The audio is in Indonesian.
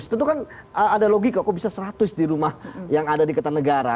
tentu kan ada logika kok bisa seratus di rumah yang ada di kertanegara